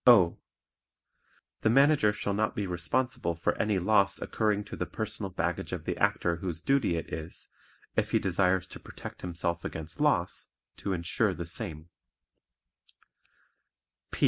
(O) The Manager shall not be responsible for any loss occurring to the personal baggage of the Actor whose duty it is, if he desires to protect himself against loss, to insure the same.